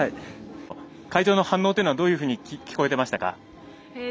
会場の反応というのはどういうふうに聞こえてましたか。